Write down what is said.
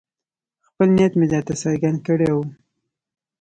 خپل نیت مې درته څرګند کړی وو.